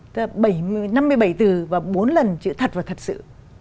tức là năm mươi bảy từ và bốn lần chữ thật và thật sự